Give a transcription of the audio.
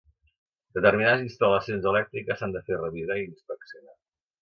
Determinades instal·lacions elèctriques s'han de fer revisar i inspeccionar.